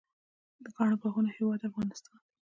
د ګڼو باغونو هیواد افغانستان.